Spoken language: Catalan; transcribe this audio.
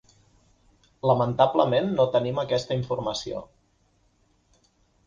Lamentablement no tenim aquesta informació.